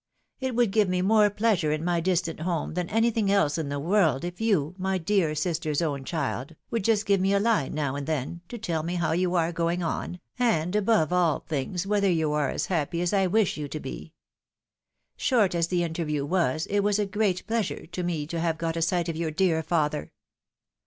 " It would give me more pleasure in my distant home than 32 THE WIDOW MAKKIED. anytlung else in the world, if you, my dear sister's own child, would just give me a line now and then, to tell me how you are going on, and above all things whether you are as happy as I wish you to be. Short as the interview was, it was a great pleasure to me to have got a sight of your dear father.